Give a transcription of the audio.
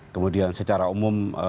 kemudian secara umum